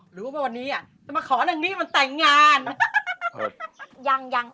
หรือว่าวันนี้จะมาขอเรื่องนี้มันแต่งงาน